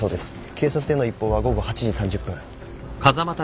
警察への一報は午後８時３０分。